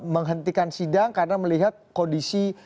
menghentikan sidang karena melihat kondisi